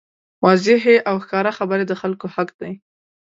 واضحې او ښکاره خبرې د خلکو حق دی.